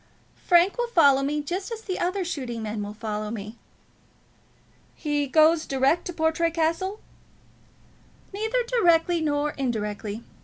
"Frank will follow me, just as the other shooting men will follow me." "He goes direct to Portray Castle?" "Neither directly nor indirectly.